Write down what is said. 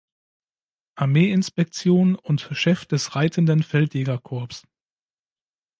Armee-Inspektion und Chef des Reitenden Feldjägerkorps.